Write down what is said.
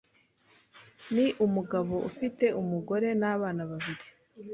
ni umugabo ufite umugore n’abana babiri.